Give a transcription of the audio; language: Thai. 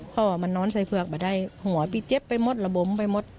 ว่ามันนอนใส่เผือกมาได้หัวพี่เจ็บไปหมดระบมไปหมด